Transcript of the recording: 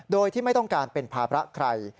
โดยที่ไม่ต้องการเป็นภาระใคร